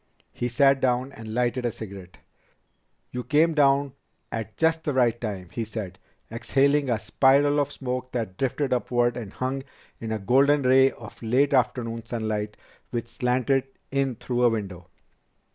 He sat down and lighted a cigarette. "You came to town at just the right time," he said, exhaling a spiral of smoke that drifted upward and hung in a golden ray of late afternoon sunlight which slanted in through a window.